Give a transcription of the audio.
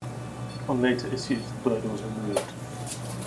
On later issues the bird was removed.